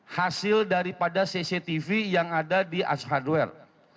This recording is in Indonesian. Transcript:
hasil daripada cctv yang ada di edge hardware